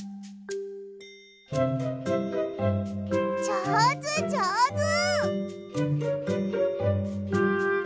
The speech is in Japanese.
じょうずじょうず！